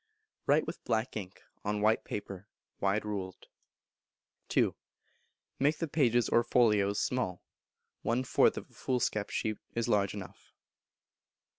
write with black ink, on white paper, wide ruled. ii. Make the pages or folios small, one fourth of a foolscap sheet is large enough.